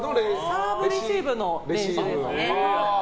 サーブレシーブの練習ですね。